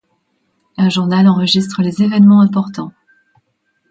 Un journal enregistre les événements importants.